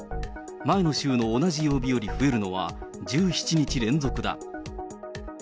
前の週の同じ曜日より増えるのは１７日連続だ。